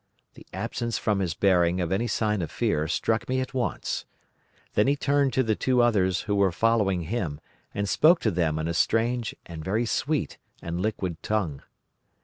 The absence from his bearing of any sign of fear struck me at once. Then he turned to the two others who were following him and spoke to them in a strange and very sweet and liquid tongue.